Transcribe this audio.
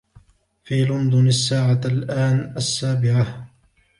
في لندن الساعة الآن السابعة.